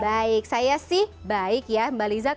baik saya sih baik ya mbak liza